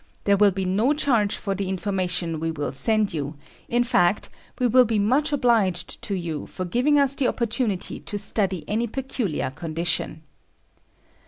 There will be no charge for the information we will send you; in fact, we will be much obliged to you for giving us the opportunity to study any peculiar condition.